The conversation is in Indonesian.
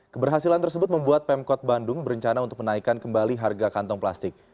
keberhasilan tersebut membuat pemkot bandung berencana untuk menaikkan kembali harga kantong plastik